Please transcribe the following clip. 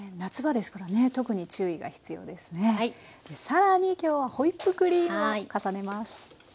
更に今日はホイップクリームを重ねます。